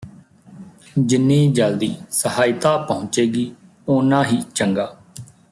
ਜਿੰਨੀ ਜਲਦੀ ਸਹਾਇਤਾ ਪਹੁੰਚੇਗੀ ਓਨਾ ਹੀ ਚੰਗਾ